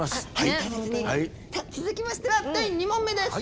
さあ続きましては第２問目です。